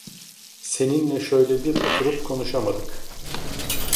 Seninle şöyle bir oturup konuşamadık!